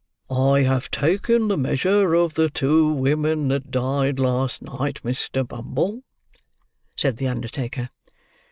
"I have taken the measure of the two women that died last night, Mr. Bumble," said the undertaker.